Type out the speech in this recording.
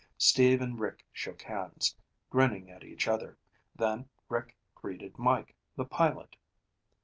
Steve and Rick shook hands, grinning at each other, then Rick greeted Mike, the pilot.